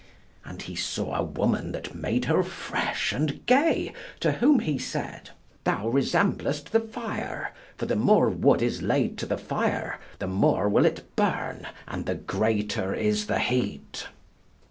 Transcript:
And he saw a woman that made her fresh and gay, to whom he said, "Thou resemblest the fire; for the more wood is laid to the fire the more will it burn, and the greater is the heat."